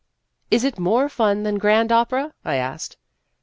" Is it more fun than grand opera?" I asked.